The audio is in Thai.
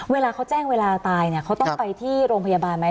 เวลาเขาแจ้งเวลาตายเนี่ยเขาต้องไปที่โรงพยาบาลไหม